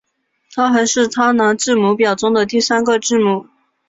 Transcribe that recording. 它还是它拿字母表中的第三个字母。